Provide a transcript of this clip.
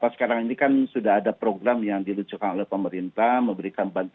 sebuah ujung khusus utara ulang